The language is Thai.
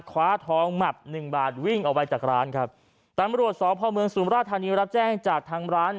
คว้าทองหมับหนึ่งบาทวิ่งออกไปจากร้านครับตำรวจสพเมืองสุมราชธานีรับแจ้งจากทางร้าน